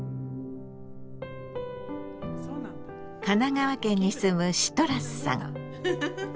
神奈川県に住むシトラスさん。